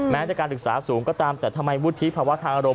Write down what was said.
ในการศึกษาสูงก็ตามแต่ทำไมวุฒิภาวะทางอารมณ